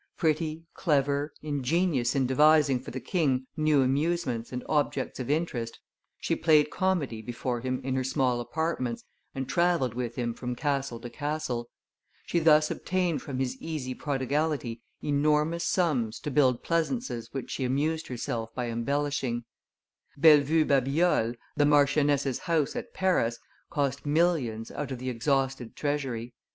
Pretty, clever, ingenious in devising for the king new amusements and objects of interest, she played comedy before him in her small apartments and travelled with him from castle to castle; she thus obtained from his easy prodigality enormous sums to build pleasaunces which she amused herself by embellishing; Bellevue, Babiole, the marchioness' house at Paris, cost millions out of the exhausted treasury.